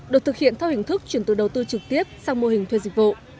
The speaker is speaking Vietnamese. được thực hiện theo hình thức chuyển từ đầu tư trực tiếp sang mô hình thuê dịch vụ